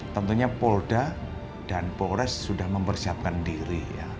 tentunya polda dan polres sudah mempersiapkan diri